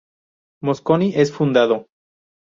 Mosconi es fundado.